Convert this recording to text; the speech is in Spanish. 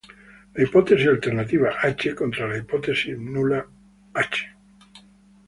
La hipótesis alternativa "H" contra la hipótesis nula "H".